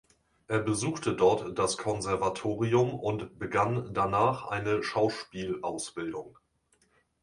Er besuchte dort das Konservatorium und begann danach eine Schauspielausbildung.